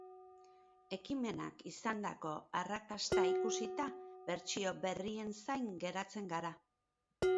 Ekimenak izandako arraksta ikusita, bertsio berrien zain geratzen gara!